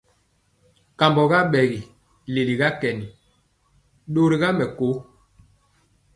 Kambɔ yɔ ɓegi leliga kɛni, ɗori ga mɛkoo.